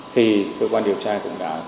thì cơ quan điều tra cũng đã